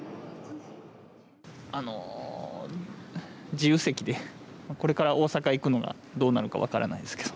自由席でこれから大阪行くのがどうなるのか分からないですけど。